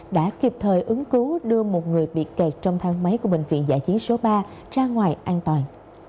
đã kịp thời ứng cứu đưa một người bị kẹt trong thang máy của bệnh viện giải trí số ba ra ngoài an toàn